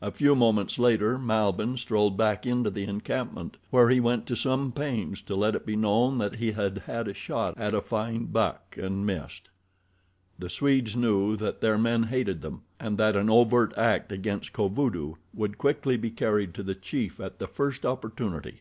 A few moments later Malbihn strolled back into the encampment, where he went to some pains to let it be known that he had had a shot at a fine buck and missed. The Swedes knew that their men hated them, and that an overt act against Kovudoo would quickly be carried to the chief at the first opportunity.